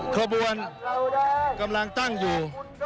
ขบวนกำลังตั้งอยู่